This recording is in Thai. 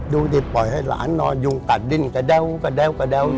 ดูดีป่อยให้หลานนอนยุงกัดดิ้นกระแด้ว